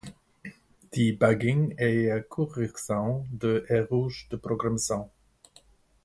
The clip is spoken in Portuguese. Debugging é a correção de erros de programação.